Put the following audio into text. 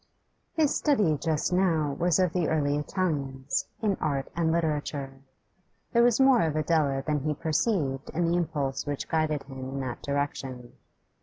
His study just now was of the early Italians, in art and literature. There was more of Adela than he perceived in the impulse which guided him in that direction.